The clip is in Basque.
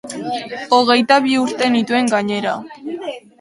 Hogeita bi urte nituen gainera.